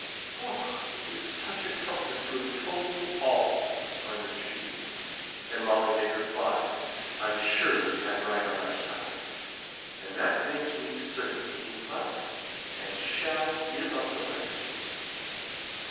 "Oh, it is such a comfort to have told you all!" murmured Cynthia. And Molly made reply, "I am sure we have right on our side; and that makes me certain he must and shall give up the letters."